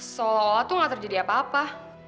soal lo tuh gak terjadi apa apa